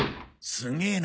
すげえな。